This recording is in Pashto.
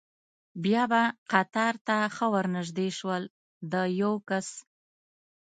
بیا به قطار ته ښه ور نږدې شول، د یو کس.